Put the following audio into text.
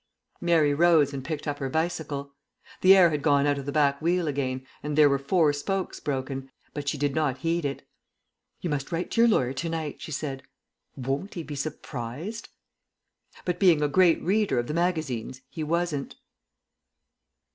Mary rose and picked up her bicycle. The air had gone out of the back wheel again, and there were four spokes broken, but she did not heed it. "You must write to your lawyer to night," she said. "Won't he be surprised?" But, being a great reader of the magazines, he wasn't.